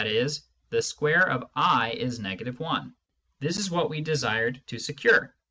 the square of i is — 1. This is what we desired to secure.